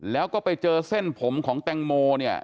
แล้วก็ไปเจอเส้นผมของแตงโมเนี่ย